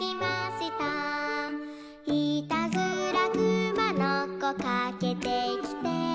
「いたずらくまのこかけてきて」